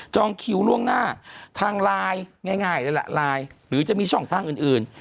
คิวล่วงหน้าทางไลน์ง่ายเลยล่ะไลน์หรือจะมีช่องทางอื่น